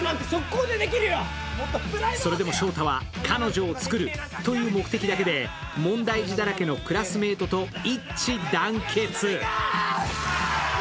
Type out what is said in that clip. それでも勝太は彼女を作るという目的だけで問題児だらけのクラスメイトと一致団結。